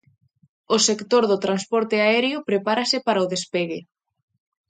O sector do transporte aéreo prepárase para o despegue.